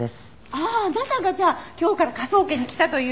あああなたがじゃあ今日から科捜研に来たという。